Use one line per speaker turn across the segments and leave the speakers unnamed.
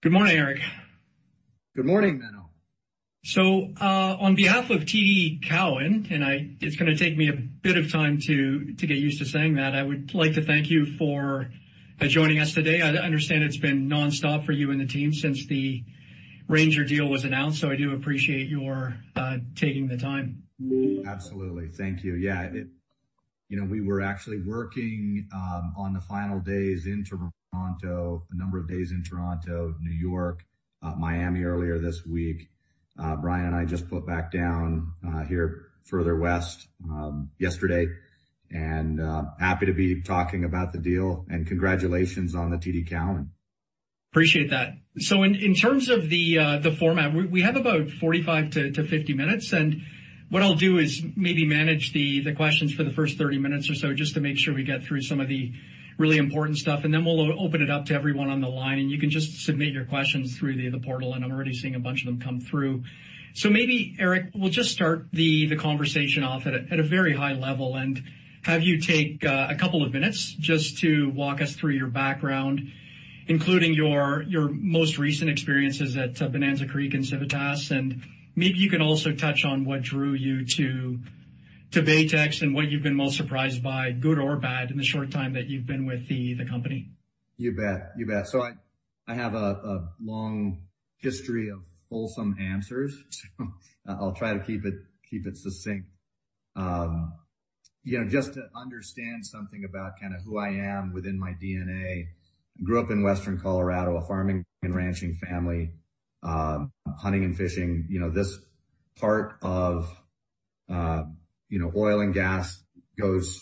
Good morning, Eric.
Good morning, Menno.
On behalf of TD Cowen, it's gonna take me a bit of time to get used to saying that. I would like to thank you for joining us today. I understand it's been nonstop for you and the team since the Ranger deal was announced. I do appreciate your taking the time.
Absolutely. Thank you. You know, we were actually working on the final days into Toronto, a number of days in Toronto, New York, Miami earlier this week. Brian and I just put back down here further west yesterday, and happy to be talking about the deal. Congratulations on the TD Cowen.
Appreciate that. In terms of the format, we have about 45-50 minutes. What I'll do is maybe manage the questions for the first 30 minutes or so, just to make sure we get through some of the really important stuff. Then we'll open it up to everyone on the line, and you can just submit your questions through the portal. I'm already seeing a bunch of them come through. Maybe, Eric, we'll just start the conversation off at a very high level and have you take a couple of minutes just to walk us through your background, including your most recent experiences at Bonanza Creek and Civitas. Maybe you can also touch on what drew you to Baytex and what you've been most surprised by, good or bad, in the short time that you've been with the company.
You bet. You bet. I have a long history of fulsome answers, so I'll try to keep it succinct. You know, just to understand something about kind of who I am within my DNA. I grew up in western Colorado, a farming and ranching family, hunting and fishing. You know, this part of, you know, oil and gas goes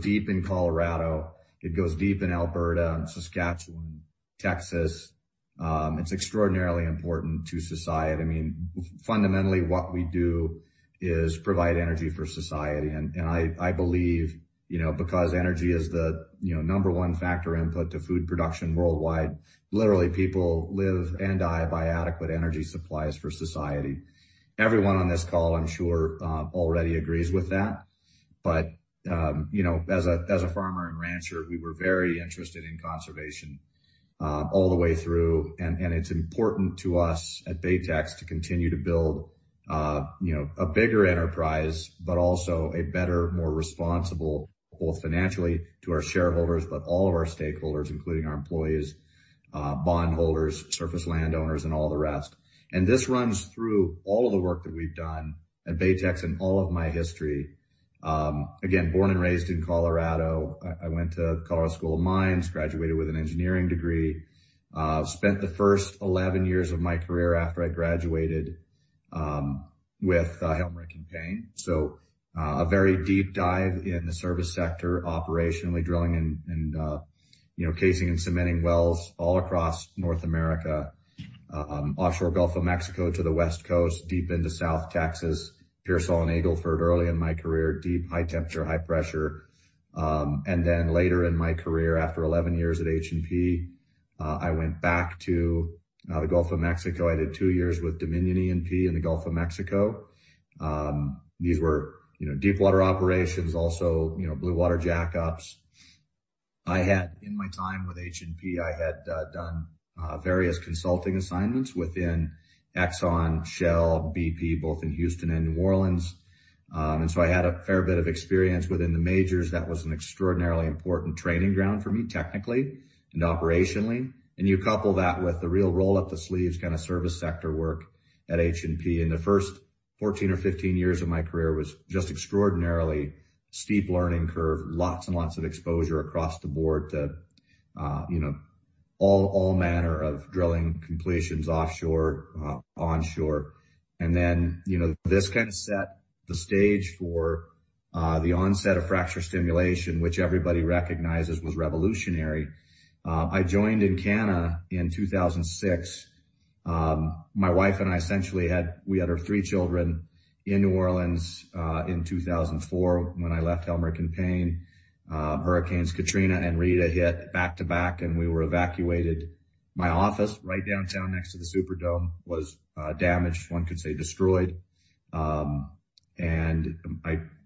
deep in Colorado. It goes deep in Alberta and Saskatchewan, Texas. It's extraordinarily important to society. I mean, fundamentally what we do is provide energy for society. I believe, you know, because energy is the number one factor input to food production worldwide, literally people live and die by adequate energy supplies for society. Everyone on this call, I'm sure, already agrees with that. You know, as a farmer and rancher, we were very interested in conservation all the way through. It's important to us at Baytex to continue to build, you know, a bigger enterprise, but also a better, more responsible, both financially to our shareholders, but all of our stakeholders, including our employees, bondholders, surface landowners, and all the rest. This runs through all of the work that we've done at Baytex and all of my history. Again, born and raised in Colorado. I went to Colorado School of Mines, graduated with an engineering degree. Spent the first 11 years of my career after I graduated with Helmerich & Payne. A very deep dive in the service sector, operationally drilling and, you know, casing and cementing wells all across North America, offshore Gulf of Mexico to the West Coast, deep into South Texas. Pearsall and Eagle Ford early in my career, deep high temperature, high pressure. Then later in my career, after 11 years at H&P, I went back to the Gulf of Mexico. I did two years with Dominion E&P in the Gulf of Mexico. These were, you know, deepwater operations, also, you know, blue water jackups. In my time with H&P, I had, done, various consulting assignments within Exxon, Shell, BP, both in Houston and New Orleans. So I had a fair bit of experience within the majors. That was an extraordinarily important training ground for me, technically and operationally. You couple that with the real roll up the sleeves kind of service sector work at H&P. The first 14 or 15 years of my career was just extraordinarily steep learning curve. Lots and lots of exposure across the board to, you know, all manner of drilling completions offshore, onshore. You know, this kind of set the stage for the onset of fracture stimulation, which everybody recognizes was revolutionary. I joined Encana in 2006. My wife and I essentially we had our three children in New Orleans in 2004 when I left Helmerich & Payne. Hurricanes Katrina and Rita hit back-to-back, and we were evacuated. My office right downtown next to the Superdome was damaged, one could say destroyed. I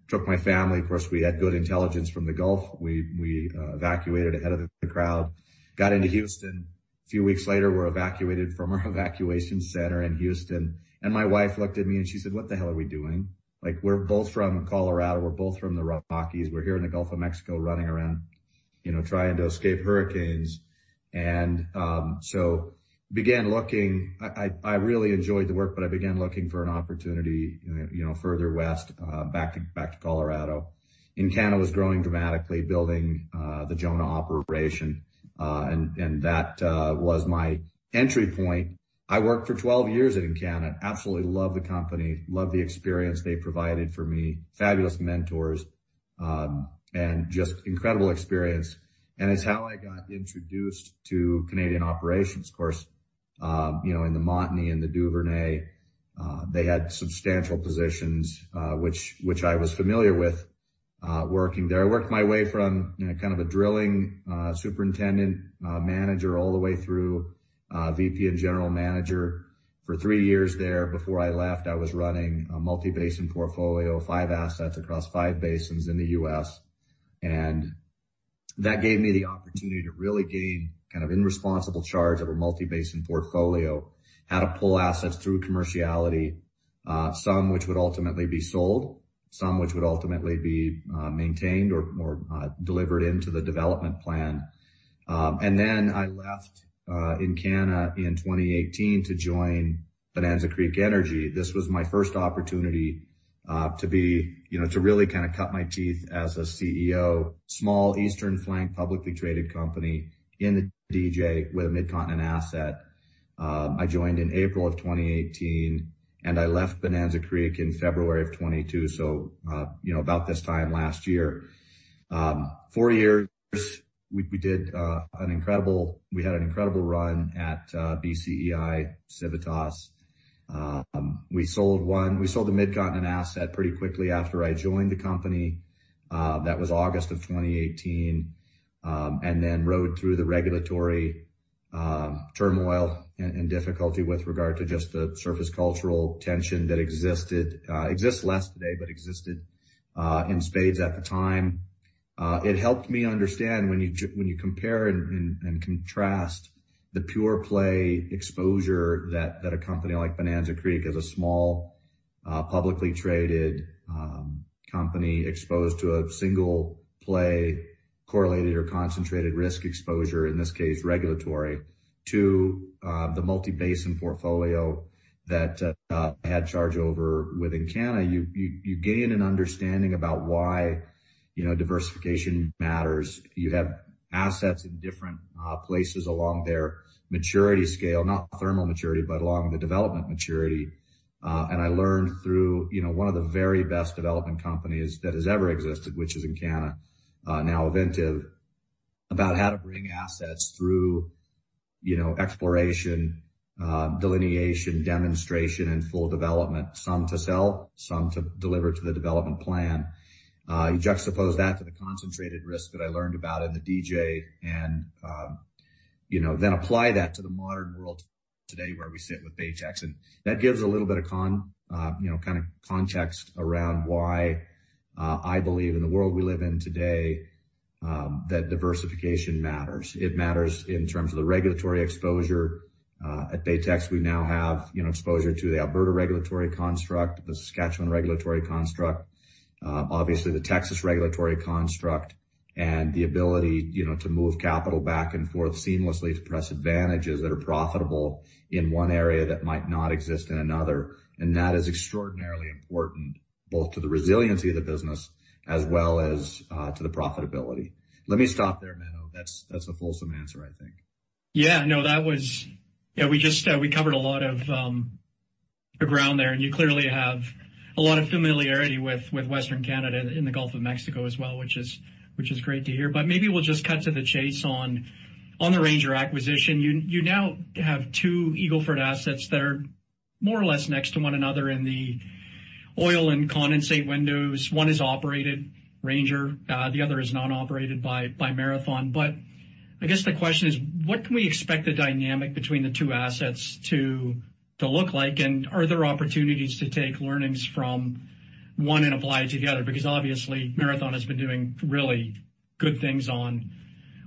took my family. Of course, we had good intelligence from the Gulf. We evacuated ahead of the crowd, got into Houston. A few weeks later, we're evacuated from our evacuation center in Houston. My wife looked at me and she said, "What the hell are we doing? Like, we're both from Colorado. We're both from the Rockies. We're here in the Gulf of Mexico running around, you know, trying to escape hurricanes." Began looking. I really enjoyed the work, but I began looking for an opportunity, you know, further west, back to Colorado. Encana was growing dramatically, building the Jonah operation, and that was my entry point. I worked for 12 years at Encana. Absolutely loved the company, loved the experience they provided for me. Fabulous mentors, and just incredible experience. It's how I got introduced to Canadian operations. Of course, you know, in the Montney and the Duvernay, they had substantial positions, which I was familiar with, working there. I worked my way from, you know, kind of a drilling superintendent, manager, all the way through VP and general manager. For three years there before I left, I was running a multi-basin portfolio, five assets across five basins in the U.S. That gave me the opportunity to really gain kind of in responsible charge of a multi-basin portfolio, how to pull assets through commerciality, some which would ultimately be sold, some which would ultimately be maintained or delivered into the development plan. Then I left Encana in 2018 to join Bonanza Creek Energy. This was my first opportunity, you know, to really kind of cut my teeth as a CEO. Small eastern flank, publicly traded company in the DJ with a Midcontinent asset. I joined in April of 2018, I left Bonanza Creek in February of 2022. You know, about this time last year. Four years, we had an incredible run at BCEI, Civitas. We sold one. We sold a Midcontinent asset pretty quickly after I joined the company. That was August of 2018. Then rode through the regulatory turmoil and difficulty with regard to just the surface cultural tension that existed, exists less today, but existed in spades at the time. It helped me understand when you compare and contrast the pure play exposure that a company like Bonanza Creek as a small, publicly traded company exposed to a single play correlated or concentrated risk exposure, in this case regulatory, to the multi-basin portfolio that I had charge over with Encana. You gain an understanding about why, you know, diversification matters. You have assets in different places along their maturity scale, not thermal maturity, but along the development maturity. I learned through, you know, one of the very best development companies that has ever existed, which is Encana, now Ovintiv, about how to bring assets through, you know, exploration, delineation, demonstration and full development. Some to sell, some to deliver to the development plan. You juxtapose that to the concentrated risk that I learned about in the DJ and, you know, then apply that to the modern world today, where we sit with Baytex. That gives a little bit of, you know, kind of context around why I believe in the world we live in today, that diversification matters. It matters in terms of the regulatory exposure. At Baytex, we now have, you know, exposure to the Alberta regulatory construct, the Saskatchewan regulatory construct, obviously the Texas regulatory construct, and the ability, you know, to move capital back and forth seamlessly to press advantages that are profitable in one area that might not exist in another. That is extraordinarily important, both to the resiliency of the business as well as to the profitability. Let me stop there, Menno. That's a wholesome answer, I think.
No, that was... Yeah, we just covered a lot of ground there, and you clearly have a lot of familiarity with Western Canada in the Gulf of Mexico as well, which is great to hear. Maybe we'll just cut to the chase on the Ranger acquisition. You now have two Eagle Ford assets that are more or less next to one another in the oil and condensate windows. One is operated, Ranger, the other is non-operated by Marathon. I guess the question is, what can we expect the dynamic between the two assets to look like? Are there opportunities to take learnings from one and apply it together? Obviously, Marathon has been doing really good things on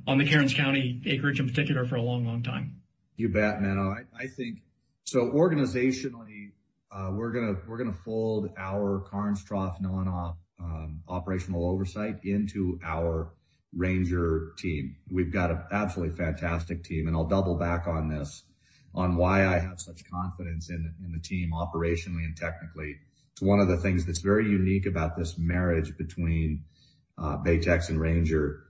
the Karnes County acreage in particular for a long time.
You bet, Menno. I think organizationally, we're gonna fold our Karnes Trough non-op operational oversight into our Ranger team. We've got an absolutely fantastic team, and I'll double back on this, on why I have such confidence in the team operationally and technically. It's one of the things that's very unique about this marriage between Baytex and Ranger.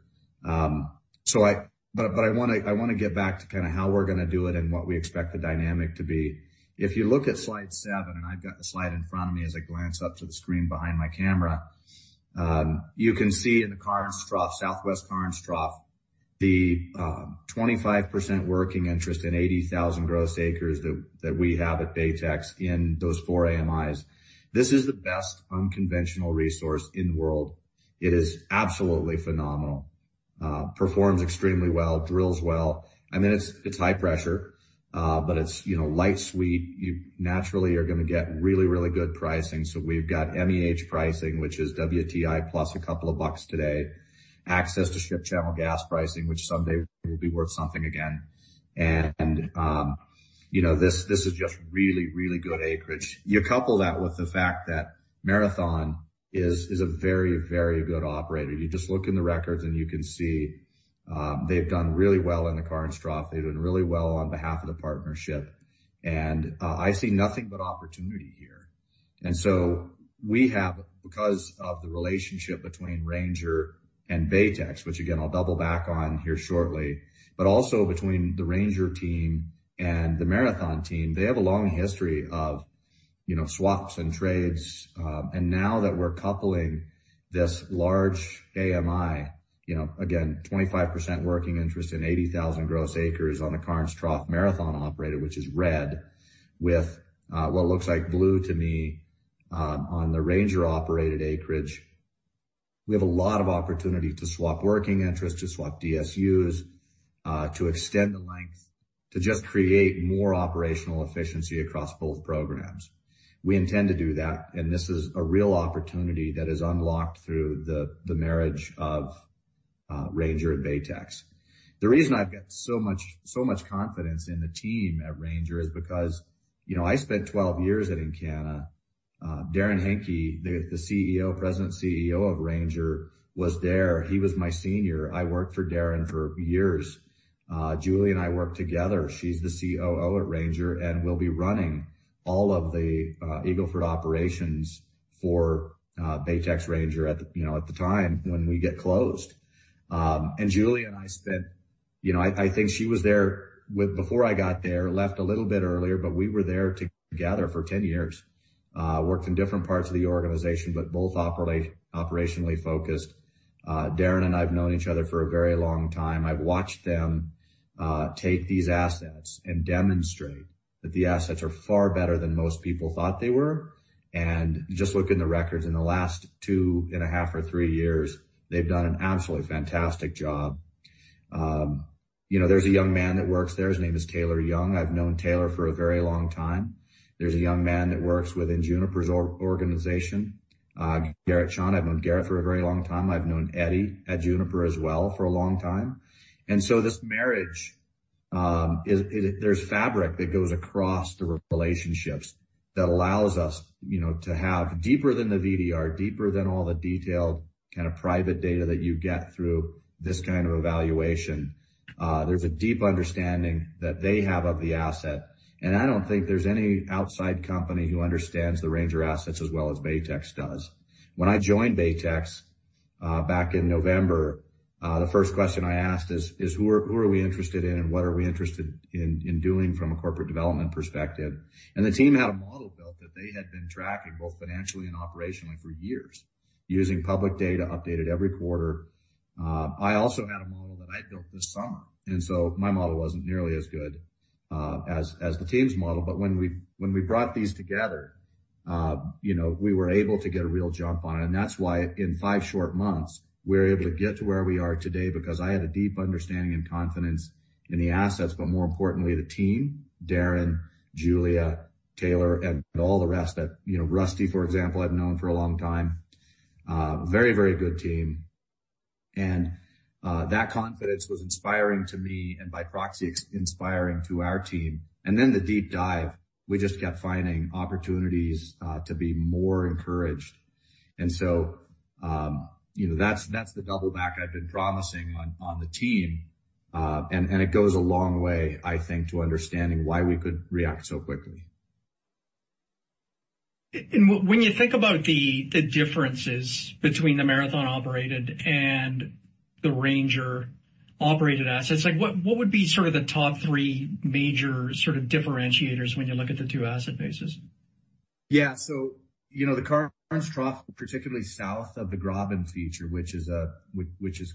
But I wanna get back to kinda how we're gonna do it and what we expect the dynamic to be. If you look at slide seven, and I've got the slide in front of me as I glance up to the screen behind my camera, you can see in the Karnes Trough, Southwest Karnes Trough, the 25% working interest in 80,000 gross acres that we have at Baytex in those four AMIs. This is the best unconventional resource in the world. It is absolutely phenomenal. Performs extremely well, drills well. I mean, it's high pressure, but it's, you know, light sweet. You naturally are gonna get really, really good pricing. We've got MEH pricing, which is WTI plus a couple of bucks today. Access to Ship Channel gas pricing, which someday will be worth something again. You know, this is just really, really good acreage. You couple that with the fact that Marathon is a very, very good operator. You just look in the records and you can see, they've done really well in the Karnes Trough. They've done really well on behalf of the partnership. I see nothing but opportunity here. We have, because of the relationship between Ranger and Baytex, which again, I'll double back on here shortly, but also between the Ranger team and the Marathon team, they have a long history of, you know, swaps and trades. Now that we're coupling this large AMI, you know, again, 25% working interest in 80,000 gross acres on the Karnes Trough Marathon operator, which is red, with what looks like blue to me, on the Ranger-operated acreage, we have a lot of opportunity to swap working interest, to swap DSUs. To extend the length, to just create more operational efficiency across both programs. We intend to do that. This is a real opportunity that is unlocked through the marriage of Ranger and Baytex. The reason I've got so much confidence in the team at Ranger is because, you know, I spent 12 years at Encana. Darrin Henke, the CEO, President CEO of Ranger was there. He was my senior. I worked for Darrin for years. Julia and I worked together. She's the COO at Ranger, will be running all of the Eagle Ford operations for Baytex Ranger at the, you know, at the time when we get closed. Julia and I spent, you know, I think she was there before I got there, left a little bit earlier, but we were there together for 10 years. Worked in different parts of the organization, both operationally focused. Darrin and I have known each other for a very long time. I've watched them take these assets and demonstrate that the assets are far better than most people thought they were. Just look in the records. In the last two and a half or three years, they've done an absolutely fantastic job. You know, there's a young man that works there. His name is Taylor Young. I've known Taylor for a very long time. There's a young man that works within Juniper's organization, Garrett Chunn. I've known Garrett for a very long time. I've known Eddie at Juniper as well for a long time. This marriage, there's fabric that goes across the relationships that allows us, you know, to have deeper than the VDR, deeper than all the detailed kind of private data that you get through this kind of evaluation. There's a deep understanding that they have of the asset, and I don't think there's any outside company who understands the Ranger assets as well as Baytex does. When I joined Baytex, back in November, the first question I asked is, who are we interested in, and what are we interested in doing from a corporate development perspective? The team had a model built that they had been tracking, both financially and operationally for years, using public data updated every quarter. I also had a model that I built this summer, my model wasn't nearly as good, as the team's model. When we brought these together, you know, we were able to get a real jump on it. That's why in five short months, we were able to get to where we are today because I had a deep understanding and confidence in the assets, but more importantly, the team, Darrin, Julia, Taylor, and all the rest that, you know. Rusty, for example, I've known for a long time. Very, very good team. That confidence was inspiring to me and by proxy, inspiring to our team. Then the deep dive, we just kept finding opportunities to be more encouraged. So, you know, that's the double back I've been promising on the team. And it goes a long way, I think, to understanding why we could react so quickly.
When you think about the differences between the Marathon-operated and the Ranger-operated assets, like what would be sort of the top three major sort of differentiators when you look at the two asset bases?
Yeah. You know, the Karnes Trough, particularly south of the Graben feature, which is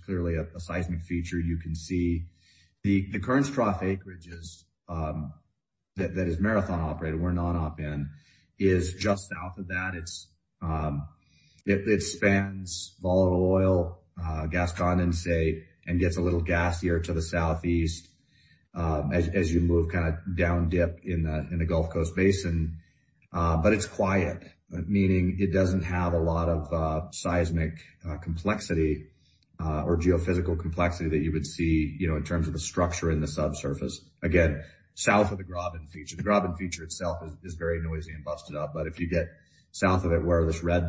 clearly a seismic feature. You can see the Karnes Trough acreages that is Marathon operated, we're non-op in, is just south of that. It spans volatile oil, gas condensate, and gets a little gassier to the southeast as you move kinda down dip in the Gulf Coast basin. It's quiet, meaning it doesn't have a lot of seismic complexity or geophysical complexity that you would see, you know, in terms of the structure in the subsurface. Again, south of the Graben feature. The Graben feature itself is very noisy and busted up. If you get south of it, where this red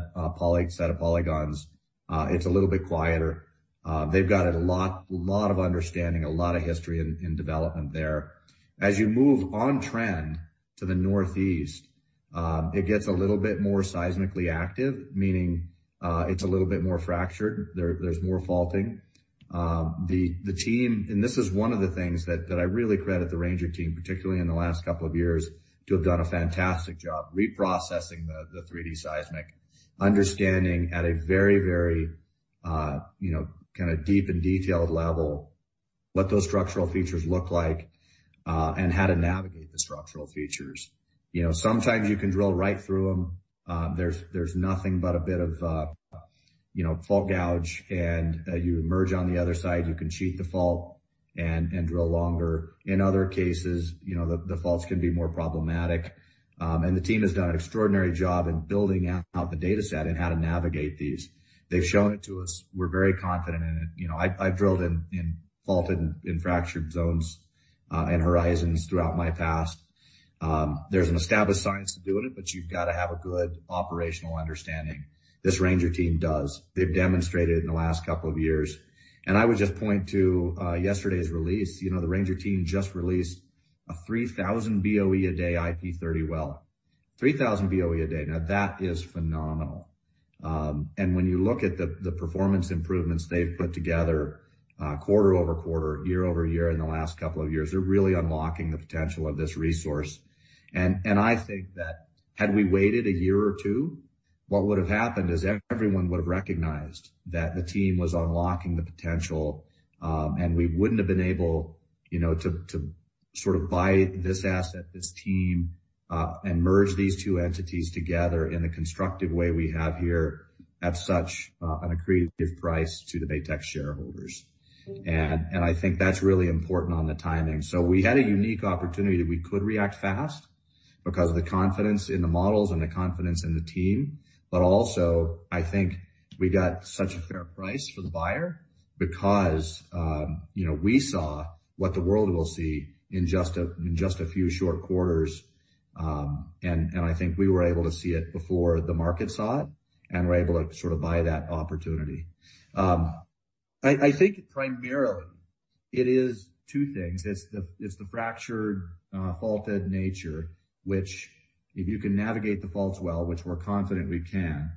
set of polygons, it's a little bit quieter. They've got a lot of understanding, a lot of history in development there. As you move on trend to the northeast, it gets a little bit more seismically active, meaning it's a little bit more fractured. There's more faulting. The team. This is one of the things that I really credit the Ranger team, particularly in the last couple of years, to have done a fantastic job reprocessing the 3D seismic. Understanding at a very, you know, kind of deep and detailed level what those structural features look like and how to navigate the structural features. You know, sometimes you can drill right through them. There's nothing but a bit of, you know, fault gouge, and you emerge on the other side, you can cheat the fault and drill longer. In other cases, you know, the faults can be more problematic. The team has done an extraordinary job in building out the data set and how to navigate these. They've shown it to us. We're very confident in it. You know, I've drilled in fault and in fractured zones and horizons throughout my past. There's an established science to doing it, but you've got to have a good operational understanding. This Ranger team does. They've demonstrated in the last couple of years. I would just point to yesterday's release. You know, the Ranger team just released a 3,000 BOE a day IP30 well. 3,000 BOE a day. Now, that is phenomenal. When you look at the performance improvements they've put together, quarter-over-quarter, year-over-year in the last couple of years, they're really unlocking the potential of this resource. I think that had we waited a year or two, what would have happened is everyone would have recognized that the team was unlocking the potential, and we wouldn't have been able, you know, to sort of buy this asset, this team, and merge these two entities together in a constructive way we have here at such an accretive price to the Baytex shareholders. I think that's really important on the timing. We had a unique opportunity that we could react fast because of the confidence in the models and the confidence in the team. Also I think we got such a fair price for the buyer because, you know, we saw what the world will see in just a few short quarters. I think we were able to see it before the market saw it, and we're able to sort of buy that opportunity. I think primarily it is two things. It's the fractured, faulted nature, which if you can navigate the faults well, which we're confident we can,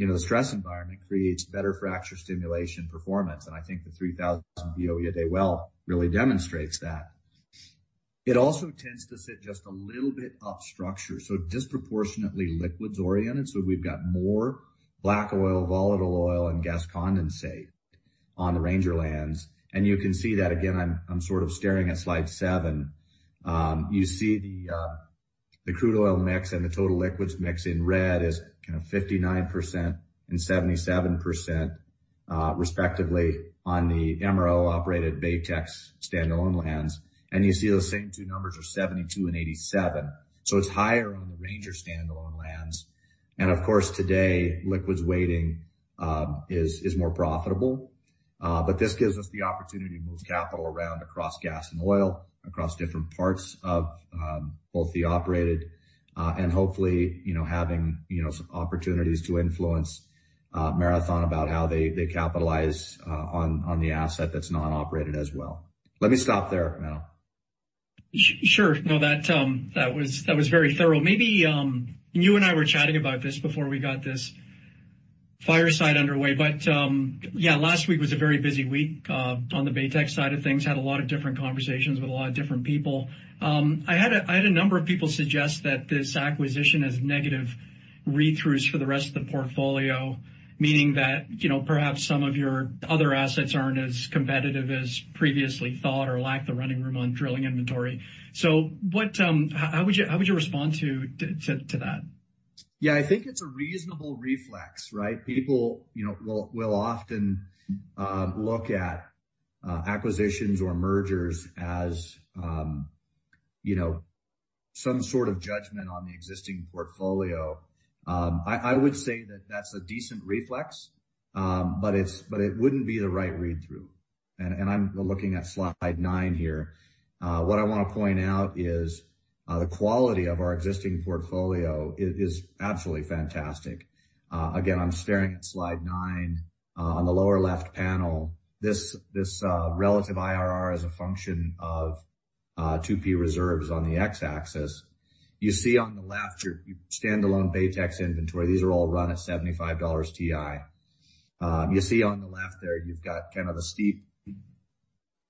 you know, the stress environment creates better fracture stimulation performance, and I think the 3,000 BOE a day well really demonstrates that. It also tends to sit just a little bit up structure, so disproportionately liquids oriented. We've got more black oil, volatile oil, and gas condensate on Ranger lands, and you can see that. Again, I'm sort of staring at slide seven. You see the crude oil mix and the total liquids mix in red is kinda 59% and 77%, respectively on the MRO-operated Baytex standalone lands. You see those same two numbers are 72 and 87. It's higher on the Ranger standalone lands. Of course, today, liquids weighting is more profitable. This gives us the opportunity to move capital around across gas and oil, across different parts of both the operated, and hopefully, you know, having, you know, some opportunities to influence Marathon about how they capitalize on the asset that's non-operated as well. Let me stop there, Menno.
Sure. No, that was very thorough. Maybe, you and I were chatting about this before we got this fireside underway, yeah, last week was a very busy week on the Baytex side of things. Had a lot of different conversations with a lot of different people. I had a number of people suggest that this acquisition has negative read-throughs for the rest of the portfolio. Meaning that, you know, perhaps some of your other assets aren't as competitive as previously thought or lack the running room on drilling inventory. What, how would you respond to that?
Yeah, I think it's a reasonable reflex, right? People, you know, will often look at acquisitions or mergers as, you know, some sort of judgment on the existing portfolio. I would say that that's a decent reflex, but it's, but it wouldn't be the right read-through. I'm looking at slide nine here. What I wanna point out is the quality of our existing portfolio is absolutely fantastic. Again, I'm staring at slide nine on the lower left panel. This relative IRR is a function of 2P reserves on the X-axis. You see on the left your standalone Baytex inventory. These are all run at $75 TI. You see on the left there, you've got kind of a steep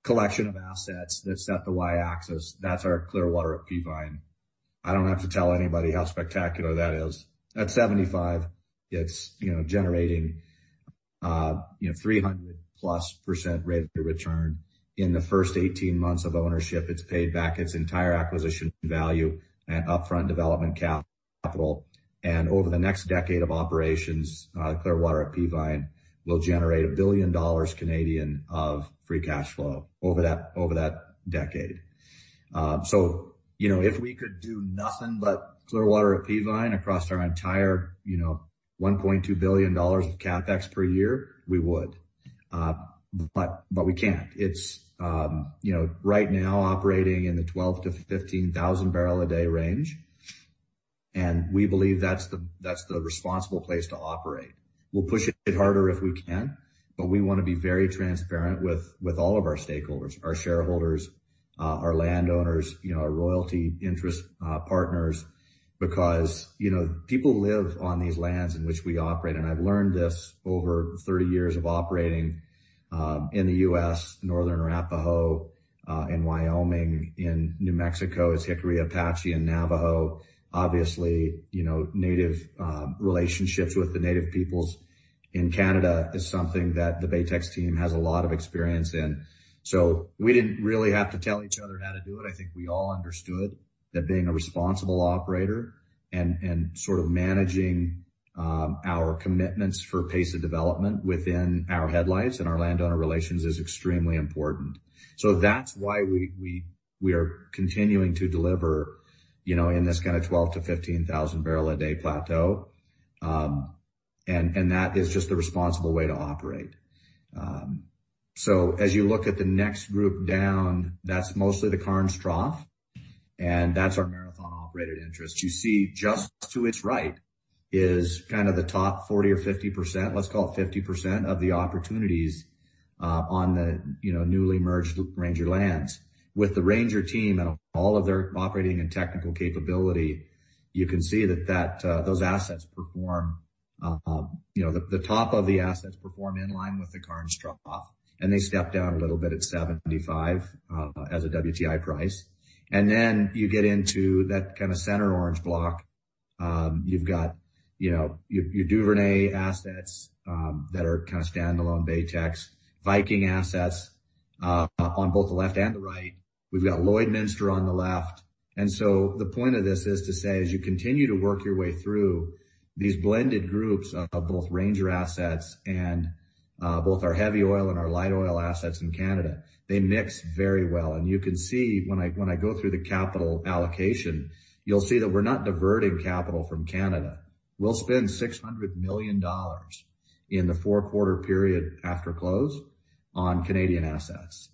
collection of assets. That's at the Y-axis. That's our Clearwater at Peavine. I don't have to tell anybody how spectacular that is. At $75, it's, you know, generating, you know, 300%+ rate of return. In the first 18 months of ownership, it's paid back its entire acquisition value and upfront development capital. Over the next decade of operations, Clearwater at Peavine will generate 1 billion dollars of free cash flow over that decade. You know, if we could do nothing but Clearwater at Peavine across our entire, you know, $1.2 billion of CapEx per year, we would. We can't. It's, you know, right now operating in the 12,000-15,000 barrel a day range, and we believe that's the responsible place to operate. We'll push it harder if we can, but we want to be very transparent with all of our stakeholders, our shareholders, our landowners, you know, our royalty interest partners, because, you know, people live on these lands in which we operate. I've learned this over 30 years of operating in the U.S., Northern Arapaho in Wyoming, in New Mexico, it's Jicarilla Apache and Navajo. Obviously, you know, native relationships with the native peoples in Canada is something that the Baytex team has a lot of experience in. We didn't really have to tell each other how to do it. I think we all understood that being a responsible operator and sort of managing our commitments for pace of development within our headlights and our landowner relations is extremely important. That's why we are continuing to deliver, you know, in this kind of 12,000-15,000 barrel a day plateau. And that is just the responsible way to operate. As you look at the next group down, that's mostly the Karnes Trough, and that's our Marathon Oil-operated interest. You see just to its right is kind of the top 40% or 50%, let's call it 50% of the opportunities on the, you know, newly merged Ranger Oil lands. With the Ranger team and all of their operating and technical capability, you can see that those assets perform, you know, the top of the assets perform in line with the Karnes Trough, and they step down a little bit at $75 as a WTI price. You get into that kinda center orange block. You've got, you know, your Duvernay assets, that are kinda standalone Baytex. Viking assets, on both the left and the right. We've got Lloydminster on the left. The point of this is to say, as you continue to work your way through these blended groups of both Ranger assets and, both our heavy oil and our light oil assets in Canada, they mix very well. You can see when I, when I go through the capital allocation, you'll see that we're not diverting capital from Canada. We'll spend 600 million dollars in the four-quarter period after close on Canadian assets.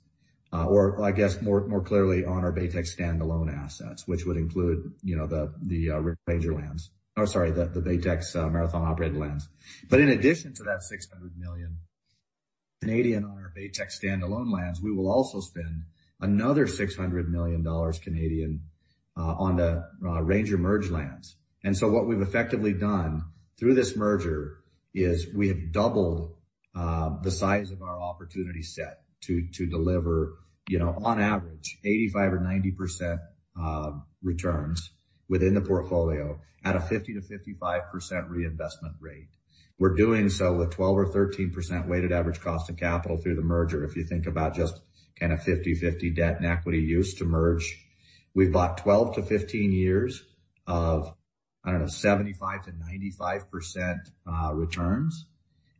Or I guess more, more clearly on our Baytex standalone assets, which would include, you know, the, Ranger lands. Or sorry, the Baytex, Marathon-operated lands. In addition to that 600 million on our Baytex standalone lands, we will also spend another 600 million Canadian dollars on the Ranger merge lands. What we've effectively done through this merger is we have doubled the size of our opportunity set to deliver, you know, on average 85% or 90% returns within the portfolio at a 50%-55% reinvestment rate. We're doing so with 12% or 13% weighted average cost of capital through the merger, if you think about just kinda 50/50 debt and equity use to merge. We bought 12-15 years of, I don't know, 75%-95% returns.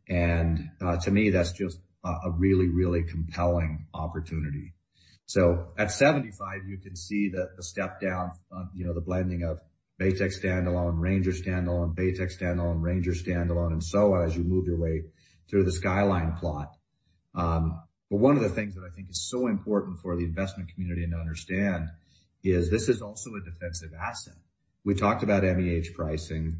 To me, that's just a really, really compelling opportunity. At 75%, you can see the step down, you know, the blending of Baytex standalone, Ranger standalone, Baytex standalone, Ranger standalone, and so on, as you move your way through the skyline plot. One of the things that I think is so important for the investment community and to understand is this is also a defensive asset. We talked about MEH pricing,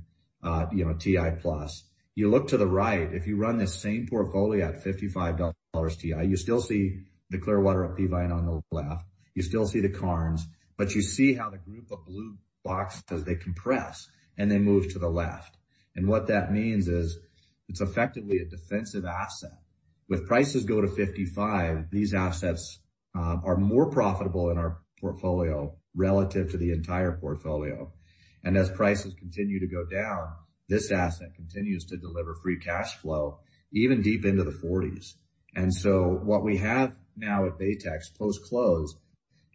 you know, TI plus. You look to the right, if you run this same portfolio at $55 TI, you still see the Clearwater up Peavine on the left. You still see the Karnes, but you see how the group of blue boxes, they compress, and they move to the left. What that means is it's effectively a defensive asset. With prices go to $55, these assets are more profitable in our portfolio relative to the entire portfolio. As prices continue to go down, this asset continues to deliver free cash flow even deep into the $40s. What we have now at Baytex post-close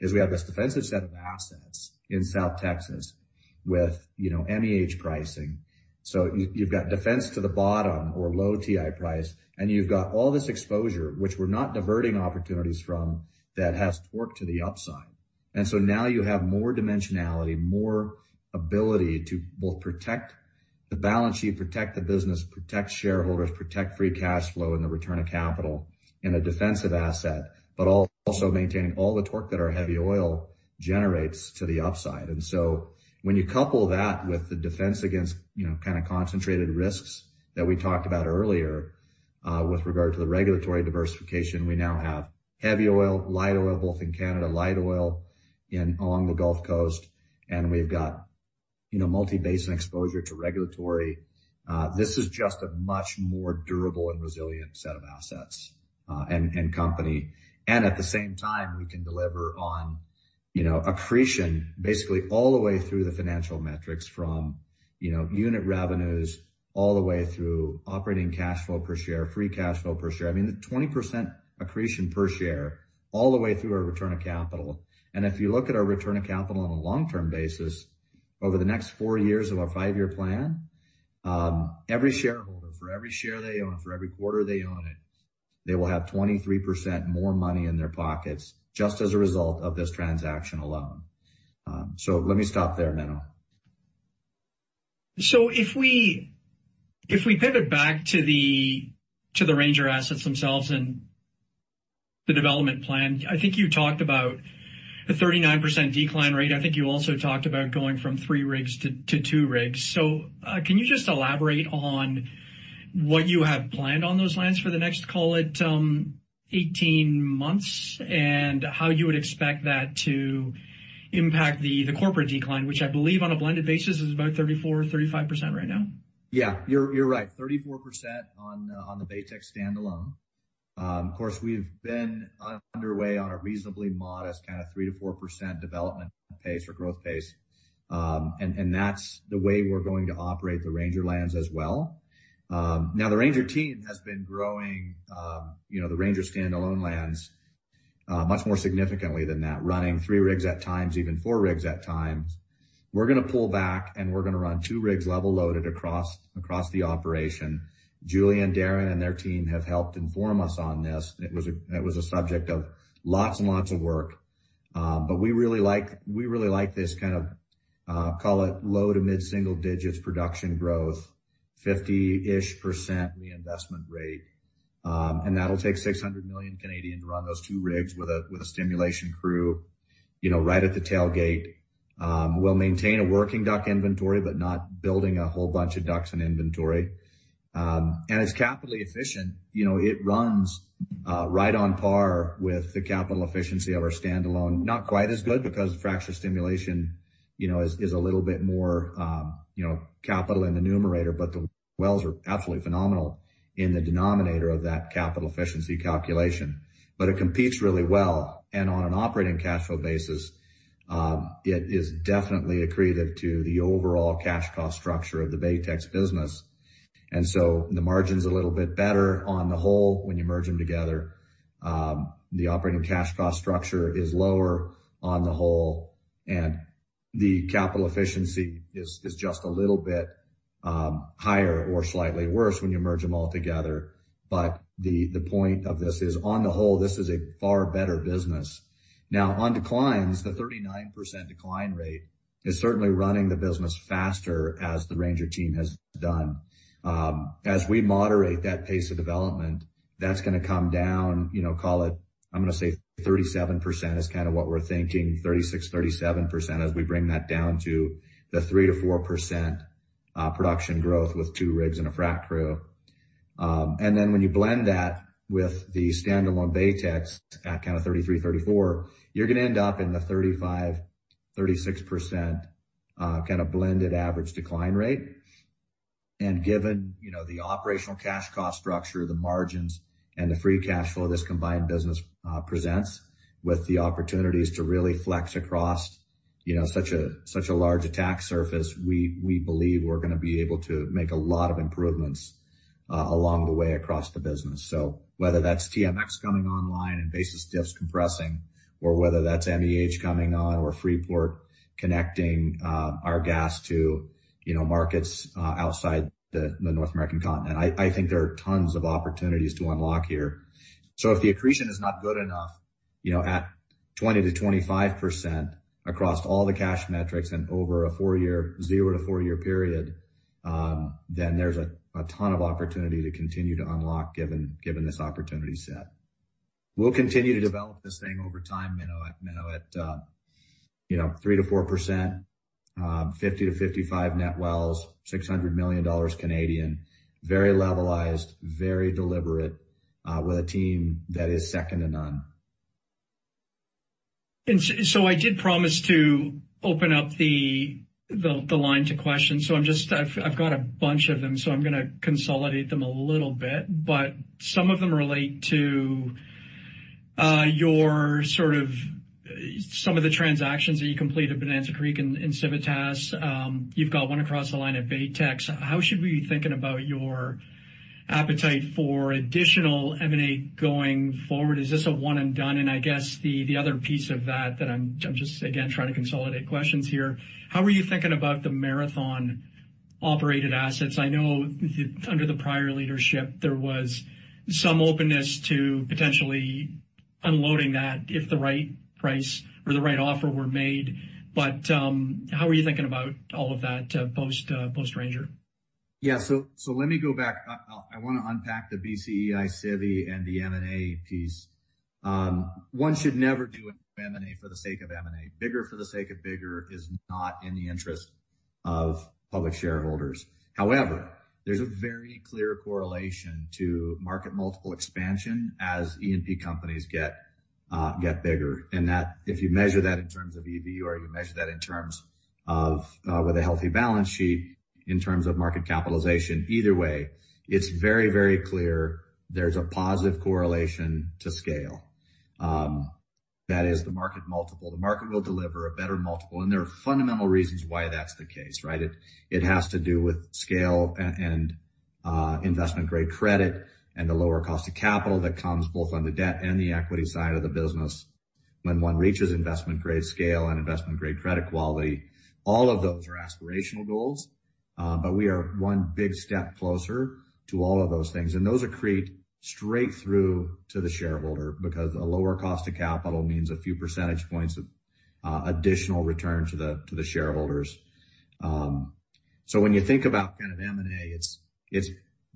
is we have this defensive set of assets in South Texas with, you know, MEH pricing. You've got defense to the bottom or low TI price, and you've got all this exposure, which we're not diverting opportunities from, that has torque to the upside. Now you have more dimensionality, more ability to both protect the balance sheet, protect the business, protect shareholders, protect free cash flow, and the return of capital in a defensive asset, but also maintaining all the torque that our heavy oil generates to the upside. When you couple that with the defense against, you know, kind of concentrated risks that we talked about earlier, with regard to the regulatory diversification, we now have heavy oil, light oil, both in Canada, light oil along the Gulf Coast, and we've got, you know, multi-basin exposure to regulatory. This is just a much more durable and resilient set of assets, and company. At the same time, we can deliver on, you know, accretion basically all the way through the financial metrics from, you know, unit revenues all the way through operating cash flow per share, free cash flow per share. I mean, 20% accretion per share all the way through our return on capital. If you look at our return on capital on a long-term basis, over the next four years of our five-year plan, every shareholder, for every share they own, for every quarter they own it, they will have 23% more money in their pockets just as a result of this transaction alone. Let me stop there, Menno.
If we pivot back to the Ranger assets themselves and the development plan, I think you talked about a 39% decline rate. I think you also talked about going from three rigs to two rigs. Can you just elaborate on what you have planned on those lands for the next, call it, 18 months, and how you would expect that to impact the corporate decline, which I believe on a blended basis is about 34% or 35% right now?
Yeah. You're right. 34% on the Baytex standalone. Of course, we've been underway on a reasonably modest kinda 3%-4% development pace or growth pace. That's the way we're gonna operate the Ranger lands as well. Now the Ranger team has been growing, you know, the Ranger standalone lands, much more significantly than that, running three rigs at times, even four rigs at times. We're gonna pull back, and we're gonna run two rigs level-loaded across the operation. Julia, Darrin, and their team have helped inform us on this. It was a subject of lots and lots of work. We really like this kind of, call it low to mid-single digits production growth, 50-ish percent reinvestment rate. That'll take 600 million to run those two rigs with a, with a stimulation crew, you know, right at the tailgate. We'll maintain a working DUC inventory, not building a whole bunch of DUCs in inventory. It's capitally efficient. You know, it runs right on par with the capital efficiency of our standalone. Not quite as good because fracture stimulation, you know, is a little bit more, you know-Capital in the numerator, the wells are absolutely phenomenal in the denominator of that capital efficiency calculation. It competes really well. On an operating cash flow basis, it is definitely accretive to the overall cash cost structure of the Baytex business. The margin's a little bit better on the whole when you merge them together. The operating cash cost structure is lower on the whole, and the capital efficiency is just a little bit higher or slightly worse when you merge them all together. The point of this is, on the whole, this is a far better business. Now on declines, the 39% decline rate is certainly running the business faster, as the Ranger team has done. As we moderate that pace of development, that's gonna come down, you know, call it, I'm gonna say 37% is kinda what we're thinking, 36%-37%, as we bring that down to the 3%-4% production growth with two rigs and a frac crew. When you blend that with the standalone Baytex at kinda 33%-34%, you're gonna end up in the 35%-36% kinda blended average decline rate. Given, you know, the operational cash cost structure, the margins, and the free cash flow this combined business presents, with the opportunities to really flex across, you know, such a, such a large attack surface, we believe we're gonna be able to make a lot of improvements along the way across the business. Whether that's TMX coming online and basis diffs compressing or whether that's NEH coming on or Freeport connecting, our gas to, you know, markets outside the North American continent, I think there are tons of opportunities to unlock here. If the accretion is not good enough, you know, at 20%-25% across all the cash metrics and over a zero to four-year period, then there's a ton of opportunity to continue to unlock, given this opportunity set. We'll continue to develop this thing over time, Menno, at, you know, 3%-4%, 50-55 net wells, 600 million Canadian dollars. Very levelized, very deliberate, with a team that is second to none.
I did promise to open up the line to questions. I've got a bunch of them, so I'm going to consolidate them a little bit. Some of them relate to some of the transactions that you completed, Bonanza Creek and Civitas. You've got one across the line at Baytex. How should we be thinking about your appetite for additional M&A going forward? Is this a one and done? I guess the other piece of that I'm just, again, trying to consolidate questions here. How are you thinking about the Marathon-operated assets? I know under the prior leadership, there was some openness to potentially unloading that if the right price or the right offer were made. How are you thinking about all of that post Ranger?
Yeah. Let me go back. I wanna unpack the BCEI, Civi, and the M&A piece. One should never do an M&A for the sake of M&A. Bigger for the sake of bigger is not in the interest of public shareholders. However, there's a very clear correlation to market multiple expansion as E&P companies get bigger. If you measure that in terms of EV or you measure that in terms of, with a healthy balance sheet, in terms of market capitalization, either way, it's very, very clear there's a positive correlation to scale. That is the market multiple. The market will deliver a better multiple, and there are fundamental reasons why that's the case, right? It has to do with scale and investment-grade credit and the lower cost of capital that comes both on the debt and the equity side of the business when one reaches investment-grade scale and investment-grade credit quality. All of those are aspirational goals, we are one big step closer to all of those things. Those accrete straight through to the shareholder because a lower cost of capital means a few percentage points of additional return to the shareholders. When you think about kind of M&A, it's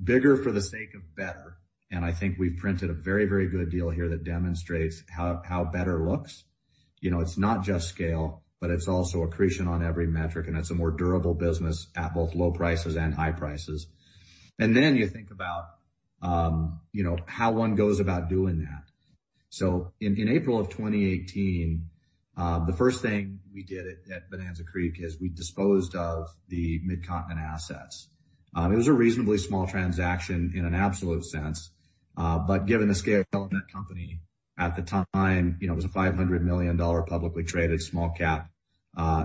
bigger for the sake of better, and I think we've printed a very, very good deal here that demonstrates how better looks. You know, it's not just scale, it's also accretion on every metric, it's a more durable business at both low prices and high prices. You think about, you know, how one goes about doing that. In April of 2018, the first thing we did at Bonanza Creek is we disposed of the Midcontinent assets. It was a reasonably small transaction in an absolute sense, but given the scale of that company at the time, you know, it was a $500 million publicly traded small cap,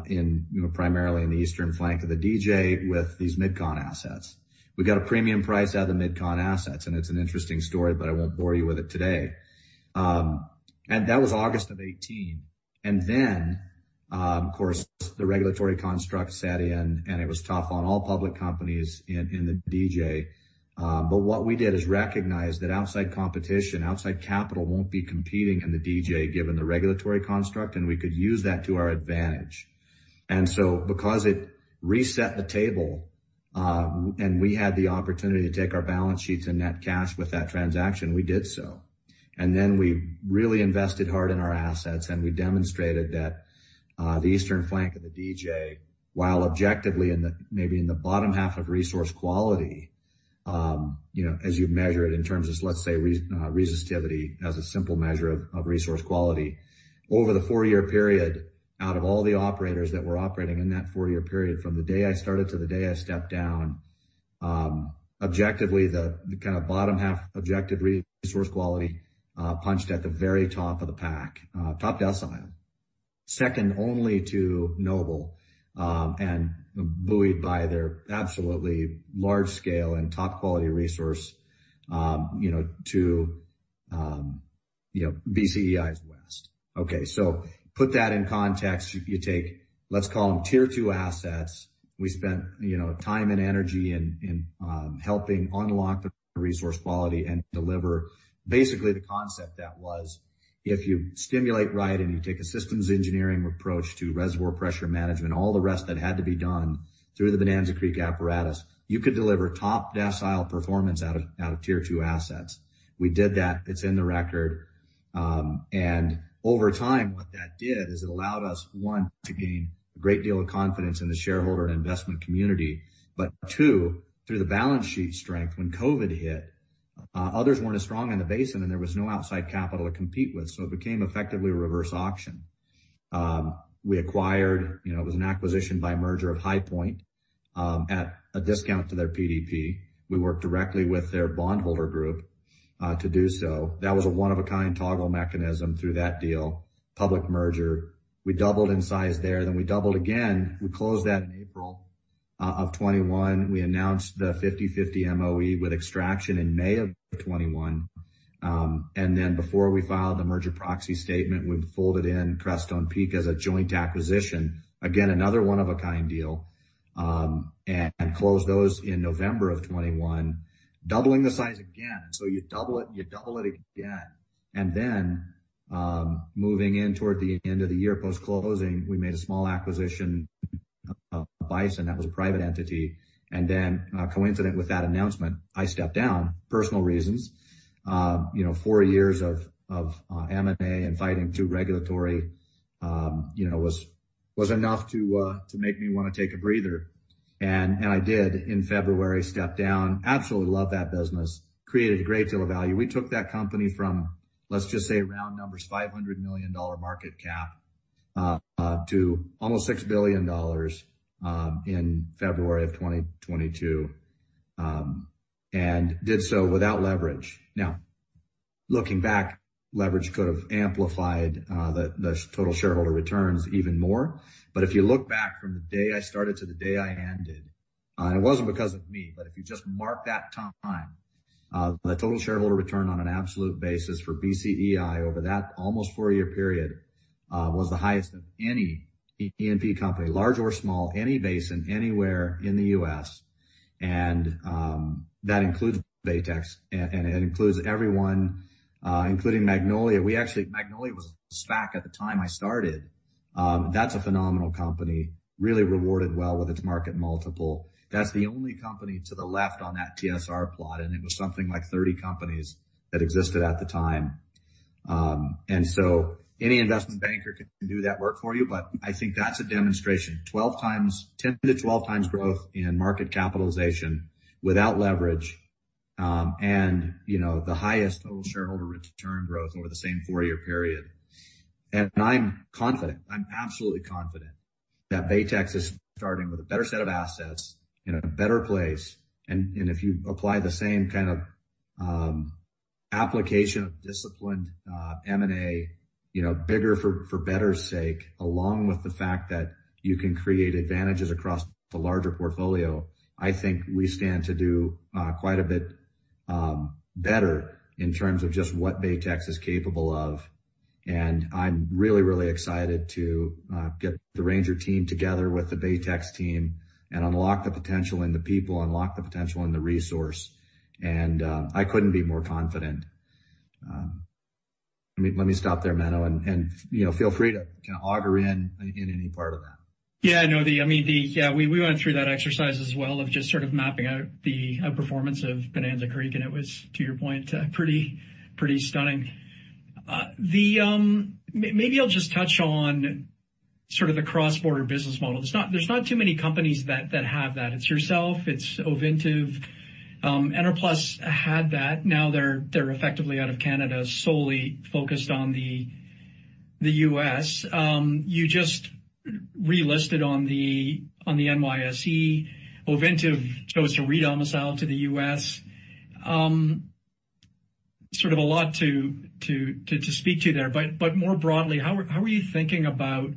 in, you know, primarily in the eastern flank of the DJ with these MidCon assets. We got a premium price out of the MidCon assets, and it's an interesting story, but I won't bore you with it today. That was August of 2018. Of course, the regulatory construct sat in, and it was tough on all public companies in the DJ. What we did is recognize that outside competition, outside capital won't be competing in the DJ given the regulatory construct, and we could use that to our advantage. Because it reset the table, and we had the opportunity to take our balance sheets and net cash with that transaction, we did so. We really invested hard in our assets, and we demonstrated that the eastern flank of the DJ, while objectively maybe in the bottom half of resource quality, you know, as you measure it in terms of, let's say, re-resistivity as a simple measure of resource quality. Over the four-year period, out of all the operators that were operating in that four-year period, from the day I started to the day I stepped down, objectively, the kind of bottom half objective resource quality, punched at the very top of the pack. Top decile. Second only to Noble, and buoyed by their absolutely large scale and top quality resource, you know, to, you know, BCEI's West. Okay, put that in context. You take, let's call them tier two assets. We spent, you know, time and energy in helping unlock the resource quality and deliver basically the concept that was if you stimulate right and you take a systems engineering approach to reservoir pressure management, all the rest that had to be done through the Bonanza Creek apparatus, you could deliver top decile performance out of tier two assets. We did that. It's in the record. Over time, what that did is it allowed us, one, to gain a great deal of confidence in the shareholder and investment community. Two, through the balance sheet strength, when COVID hit, others weren't as strong in the basin and there was no outside capital to compete with. It became effectively a reverse auction. We acquired, you know, it was an acquisition by merger of HighPoint, at a discount to their PDP. We worked directly with their bondholder group to do so. That was a one of a kind toggle mechanism through that deal. Public merger. We doubled in size there, we doubled again. We closed that in April of 2021. We announced the 50/50 MOE with Extraction in May of 2021. Before we filed the merger proxy statement, we folded in Crestone Peak as a joint acquisition. Again, another one of a kind deal. Closed those in November of 2021, doubling the size again. You double it, you double it again. Moving in toward the end of the year, post-closing, we made a small acquisition of Bison that was a private entity. Coincident with that announcement, I stepped down. Personal reasons. You know, four years of M&A and fighting through regulatory, you know, was enough to make me wanna take a breather. I did in February, stepped down. Absolutely love that business. Created a great deal of value. We took that company from, let's just say round numbers, $500 million market cap to almost $6 billion in February of 2022. Did so without leverage. Now, looking back, leverage could have amplified the total shareholder returns even more. If you look back from the day I started to the day I ended, it wasn't because of me, but if you just mark that time, the total shareholder return on an absolute basis for BCEI over that almost four-year period, was the highest of any E&P company, large or small, any basin, anywhere in the U.S. That includes Baytex, and it includes everyone, including Magnolia. Magnolia was a SPAC at the time I started. That's a phenomenal company. Really rewarded well with its market multiple. That's the only company to the left on that TSR plot, and it was something like 30 companies that existed at the time. Any investment banker can do that work for you, but I think that's a demonstration. 10x-12x growth in market capitalization without leverage, you know, the highest total shareholder return growth over the same four-year period. I'm confident, I'm absolutely confident that Baytex is starting with a better set of assets in a better place. If you apply the same kind of application of disciplined M&A, you know, bigger for better's sake, along with the fact that you can create advantages across the larger portfolio, I think we stand to do quite a bit better in terms of just what Baytex is capable of. I'm really excited to get the Ranger team together with the Baytex team and unlock the potential in the people, unlock the potential in the resource. I couldn't be more confident. Let me, let me stop there, Menno, and, you know, feel free to kinda auger in any part of that.
Yeah, no, I mean, yeah, we went through that exercise as well of just sort of mapping out the outperformance of Bonanza Creek, and it was, to your point, pretty stunning. I'll just touch on sort of the cross-border business model. There's not too many companies that have that. It's yourself, it's Ovintiv. Enerplus had that. Now they're effectively out of Canada, solely focused on the U.S. You just relisted on the NYSE. Ovintiv chose to re-domicile to the U.S. Sort of a lot to speak to there. More broadly, how are you thinking about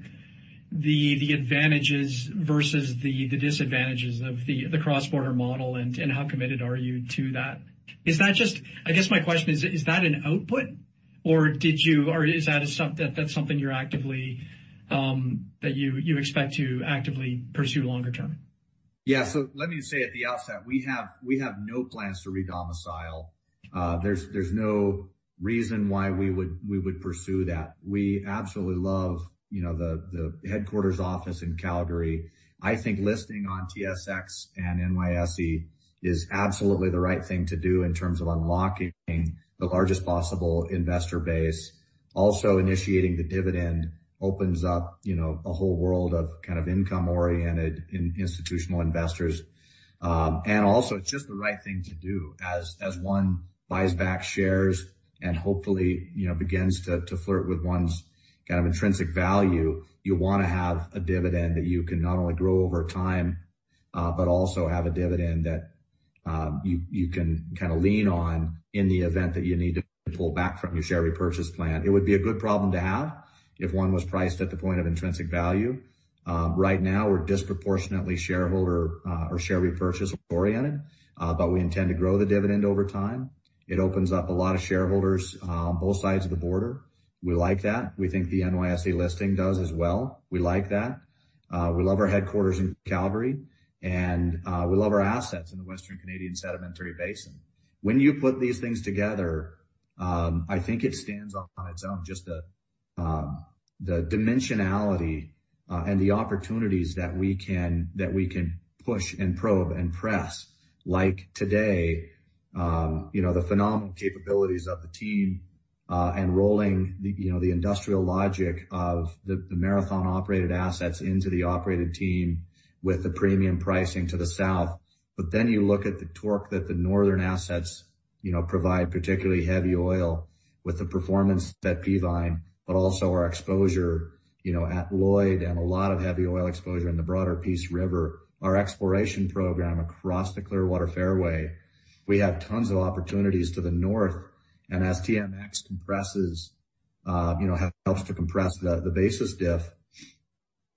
the advantages versus the disadvantages of the cross-border model, and how committed are you to that? I guess my question is that an output, or that's something you're actively, That you expect to actively pursue longer term?
Yeah. Let me say at the outset, we have no plans to re-domicile. There's no reason why we would pursue that. We absolutely love, you know, the headquarters office in Calgary. I think listing on TSX and NYSE is absolutely the right thing to do in terms of unlocking the largest possible investor base. Also initiating the dividend opens up, you know, a whole world of kind of income-oriented institutional investors. Also it's just the right thing to do as one buys back shares and hopefully, you know, begins to flirt with one's kind of intrinsic value. You wanna have a dividend that you can not only grow over time, also have a dividend that you can kinda lean on in the event that you need to pull back from your share repurchase plan. It would be a good problem to have if one was priced at the point of intrinsic value. Right now, we're disproportionately shareholder, or share repurchase oriented, but we intend to grow the dividend over time. It opens up a lot of shareholders on both sides of the border. We like that. We think the NYSE listing does as well. We like that. We love our headquarters in Calgary, and we love our assets in the Western Canadian Sedimentary Basin. When you put these things together, I think it stands up on its own. Just the dimensionality, and the opportunities that we can, that we can push and probe and press. Like today, you know, the phenomenal capabilities of the team, and rolling the, you know, the industrial logic of the Marathon-operated assets into the operated team with the premium pricing to the south. You look at the torque that the northern assets, you know, provide particularly heavy oil with the performance at Peavine, but also our exposure, you know, at Lloyd and a lot of heavy oil exposure in the broader Peace River. Our exploration program across the Clearwater fairway. We have tons of opportunities to the north. As TMX compresses, you know, helps to compress the basis diff,